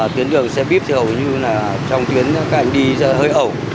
tuyến đường xe buýt thì hầu như là trong tuyến các anh đi hơi ẩu